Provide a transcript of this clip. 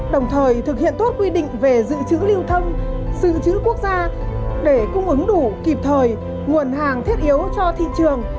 đồng thời thực hiện tốt quy định về dự trữ lưu thông sự trữ quốc gia để cung ứng đủ kịp thời nguồn hàng thiết yếu cho thị trường